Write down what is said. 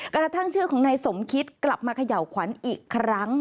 กระทั่งชื่อของนายสมคิดกลับมาเขย่าขวัญอีกครั้ง